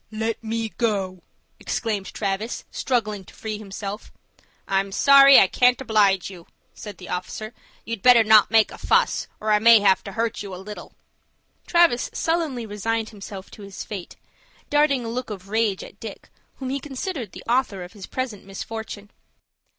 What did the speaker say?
"Let me go," exclaimed Travis, struggling to free himself. "I'm sorry I can't oblige you," said the officer. "You'd better not make a fuss, or I may have to hurt you a little." Travis sullenly resigned himself to his fate, darting a look of rage at Dick, whom he considered the author of his present misfortune.